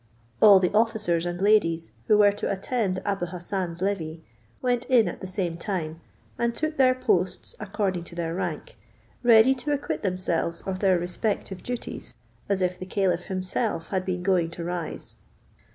All the officers and ladies, who were to attend Abou Hassan's levee, went in at the same time, and took their posts according to their rank, ready to acquit themselves of their respective duties, as if the caliph himself had been going to rise.